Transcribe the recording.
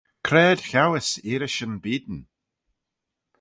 C'raad cheauys earishyn beayn?